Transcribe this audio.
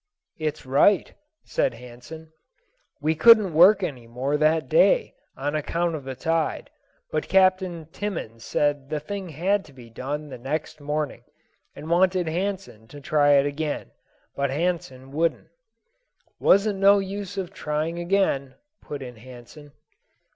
"It's right," said Hansen. "We couldn't work any more that day, on account of the tide, but Captain Timmans said the thing had to be done the next morning, and wanted Hansen to try it again; but Hansen wouldn't." "Wasn't no use of trying again," put in Hansen.